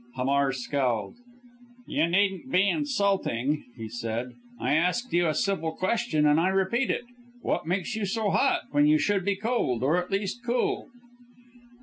Hamar scowled. "You needn't be insulting," he said, "I asked you a civil question, and I repeat it. What makes you so hot when you should be cold or at least cool?"